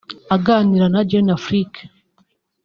Aganira na Jeune Afrique